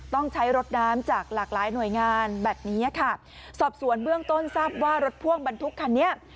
ต้องใช้รถน้ำจากหลากหลายหน่วยงานแบบนี้ค่ะสอบสวนเบื้องต้นทราบว่ารถพ่วงบรรทุกคันนี้